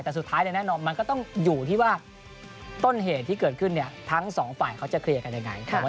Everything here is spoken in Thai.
แต่สุดท้ายแน่นอนมันก็ต้องอยู่ที่ว่าต้นเหตุที่เกิดขึ้นทั้งสองฝ่ายเขาจะเคลียร์กันยังไง